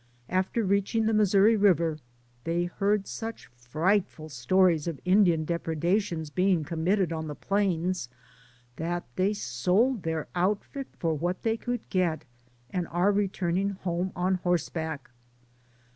After reaching the Missouri River they heard such frightful stories of Indian depredations being com mitted on the plains that they sold their out fit for what they could get, and are returning home on horseback.